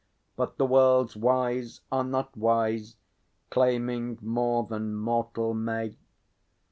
But the world's Wise are not wise, Claiming more than mortal may.